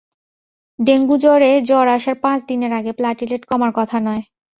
Dengue জ্বরে জ্বর আসার পাঁচ দিনের আগে প্লাটিলেট কমার কথা নয়।